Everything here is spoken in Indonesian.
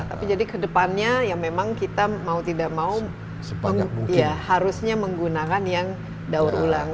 tapi jadi kedepannya ya memang kita mau tidak mau harusnya menggunakan yang daur ulang